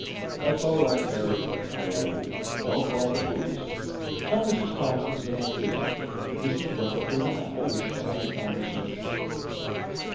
"That's all right, Mary," I added. "Don't call the police. Tell Mrs. Tompkins that I'm busy. Mrs. Rutherford and I wish to have a conversation."